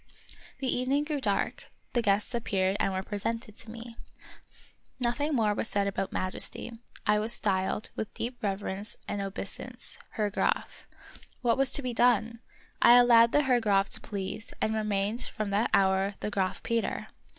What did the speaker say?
The evening grew dark ; the guests appeared and were presented to me. Nothing more was said about Majesty; I was styled, with deep reverence and obeisance, Herr Graf. What was to be done? I allowed the Herr Graf to please, and remained from that hour the Graf Peter.